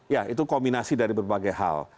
ya itu kombinasi dari berbagai hal